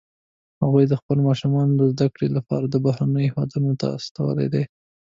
هغوی خپل ماشومان د زده کړې لپاره بهرنیو هیوادونو ته استولي دي